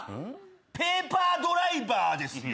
ペーパードライバーですよ。